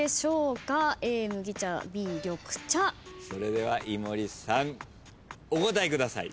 それでは井森さんお答えください。